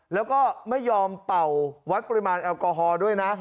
แล้วก็ไม่ยอมเป่าวัดปริมาณแอลกอฮอล์ด้วยนะ